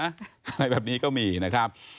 อะไรแบบนี้ก็มีนะครับ